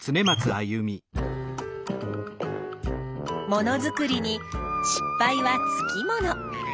ものづくりに失敗はつきもの。